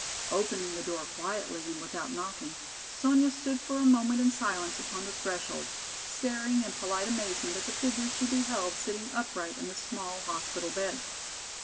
Opening the door quietly and without knocking, Sonya stood for a moment in silence upon the threshold, staring in polite amazement at the figure she beheld sitting upright in the small hospital bed.